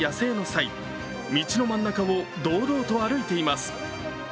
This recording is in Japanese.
サイ道の真ん中を堂々と歩いています。